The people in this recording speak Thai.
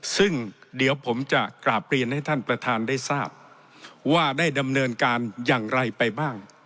ซึ่งเดี๋ยวผมจะกราบเรียนให้ท่านประธานได้ทราบว่าได้ดำเนินการอย่างไรไปบ้าง